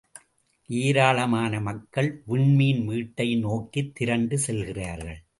ஏராளமான மக்கள் விண்மீன் வீட்டைநோக்கித் திரண்டு செல்கிறார்கள்.